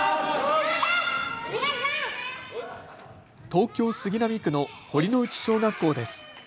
東京杉並区の堀之内小学校です。